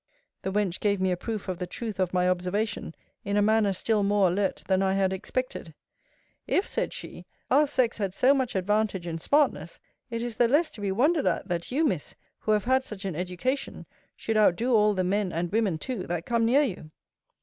The wench gave me a proof of the truth of my observation, in a manner still more alert than I had expected: If, said she, our sex had so much advantage in smartness, it is the less to be wondered at, that you, Miss, who have had such an education, should outdo all the men and women too, that come near you.